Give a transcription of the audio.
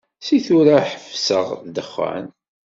Si tura ad ḥebseɣ ddexxan.